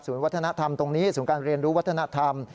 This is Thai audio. วัฒนธรรมตรงนี้ศูนย์การเรียนรู้วัฒนธรรม